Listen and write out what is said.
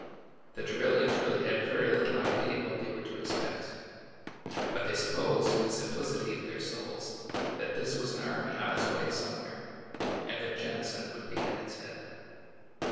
The Trevilians really had very little idea what they were to expect; but they supposed, in the simplicity of their souls, that this was an army on its way somewhere, and that Jennison would be at its head.